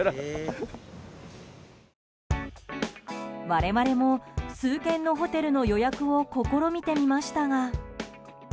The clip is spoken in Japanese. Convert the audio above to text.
我々も数軒のホテルの予約を試みてみましたが。